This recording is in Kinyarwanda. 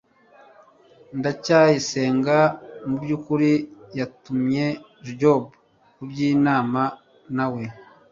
ndacyayisenga mubyukuri yatumye jabo kubyinana nawe